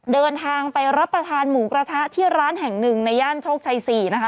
เดินทางไปรับประทานหมูกระทะที่ร้านแห่งหนึ่งในย่านโชคชัย๔นะคะ